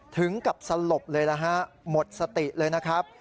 ถึงกับสลบเลยนะฮะหมดสติเลยนะครับ